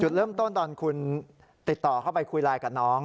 จุดเริ่มต้นตอนคุณติดต่อเข้าไปคุยไลน์กับน้อง